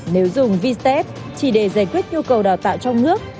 nếu dùng vitap chỉ để giải quyết nhu cầu đào tạo trong nước